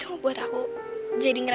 karena kamu bisa dan akan diri sendiri